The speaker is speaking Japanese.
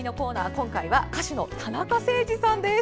今回は歌手の田中星児さんです。